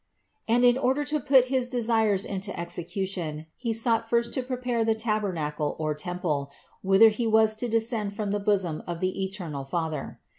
And in order to put his desires into execution He sought first to prepare the tabernacle or temple, whither He was to descend from the bosom of the eternal Father.